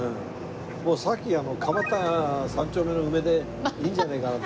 もうさっき蒲田３丁目の梅でいいんじゃないかなと。